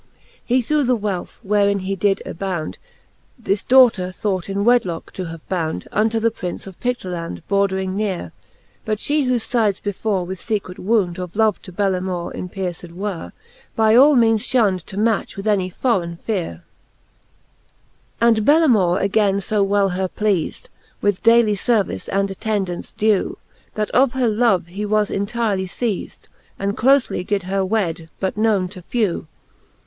He through the wealth, wherein he did abound, This daughter thought in wedlocke to have bound Unto the Prince of PiSf eland bordering nere ; But fhe, whofe fides before with fecret wound Of love to Bellamoure empierced were. By all meanes fhund to match with any forrein fere. V. And Bellamour againe fo well her pleafed, With dayly fervice and attendance dew. That of her love he was entyrely feized. And clofely did her wed, but knowne to it w.